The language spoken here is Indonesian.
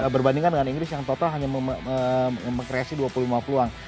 berbandingkan dengan inggris yang total hanya mengkreasi dua puluh lima peluang